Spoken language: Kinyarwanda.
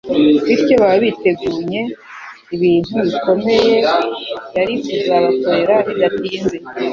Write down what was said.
bityo baba bitegunye ibintu bikomeye yari kuzabakoresha bidatinze.